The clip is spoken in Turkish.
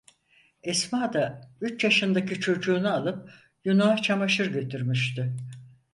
Esma da, üç yaşındaki çocuğunu alıp yunağa çamaşır götürmüştü.